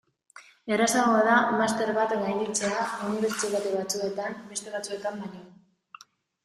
Errazagoa da master bat gainditzea unibertsitate batzuetan beste batzuetan baino.